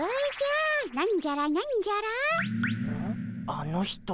あの人。